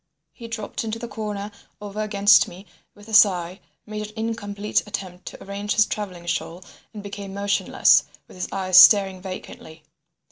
He dropped into the corner over against me with a sigh, made an incomplete attempt to arrange his travelling shawl, and became motionless, with his eyes staring vacantly.